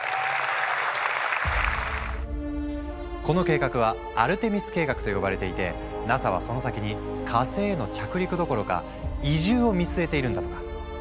この計画は「アルテミス計画」と呼ばれていてＮＡＳＡはその先に火星への着陸どころか移住を見据えているんだとか。